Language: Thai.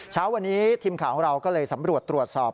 เช้าวันนี้ทีมข่าวของเราก็เลยสำรวจตรวจสอบ